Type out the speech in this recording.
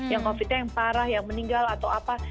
yang covid nya yang parah yang meninggal atau apa